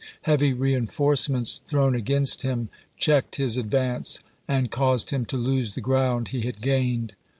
Heavy reenf orcements thrown against him checked his advance and caused him to lose the ground he had gained.